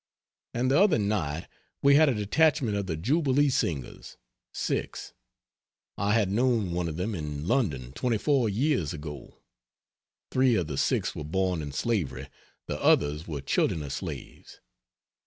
And the other night we had a detachment of the jubilee Singers 6. I had known one of them in London 24 years ago. Three of the 6 were born in slavery, the others were children of slaves.